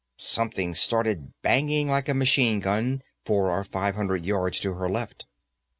Something started banging like a machine gun, four or five hundred yards to her left.